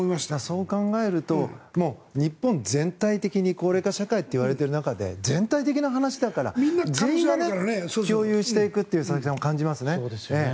そう考えると日本全体的に高齢化社会といわれている中で全体的な話だから全員が共有していくって感じますね。